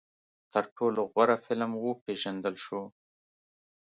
تر ټولو غوره فلم وپېژندل شو